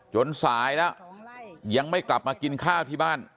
สายแล้วยังไม่กลับมากินข้าวที่บ้าน